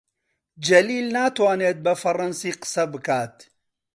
جەلیل ناتوانێت بە فەڕەنسی قسە بکات.